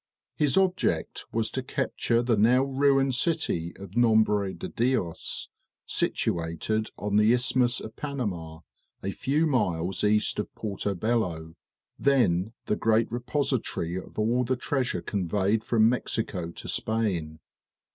His object was to capture the now ruined city of Nombre de Dios, situated on the Isthmus of Panama, a few miles east of Porto Bello, then the great repository of all the treasure conveyed from Mexico to Spain.